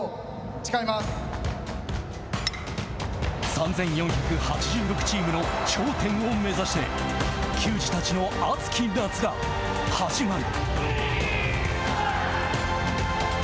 ３４８６チームの頂点を目指して球児たちの熱き夏が始まる。